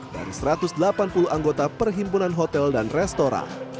dari satu ratus delapan puluh anggota perhimpunan hotel dan restoran